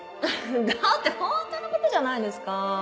だって本当のことじゃないですか。